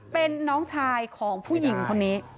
เป็นน้องชายของผู้หญิงคนนี้